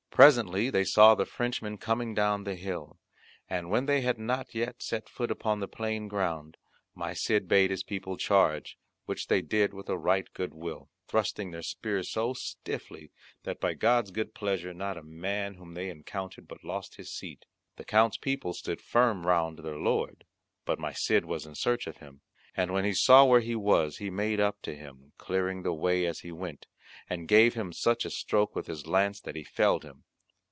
Presently they saw the Frenchmen coming down the hill, and when they had not yet set foot upon the plain ground, my Cid bade his people charge, which they did with a right good will, thrusting their spears so stiffly, that by God's good pleasure not a man whom they encountered but lost his seat. The Count's people stood firm round their Lord; but my Cid was in search of him, and when he saw where he was, he made up to him, clearing the way as he went, and gave him such a stroke with his lance that he felled him.